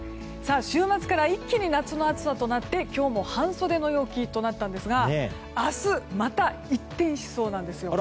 週末から一気に夏の暑さとなって今日も半袖の陽気となったんですが明日また一転しそうなんですよ。